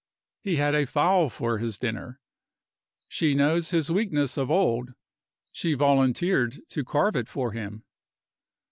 He had a fowl for his dinner. She knows his weakness of old; she volunteered to carve it for him.